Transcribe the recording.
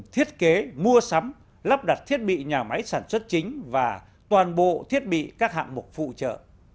thiết kế mua sắm lắp đặt thiết bị nhà máy sản xuất chính và toàn bộ thiết bị các hạng mục phụ trợ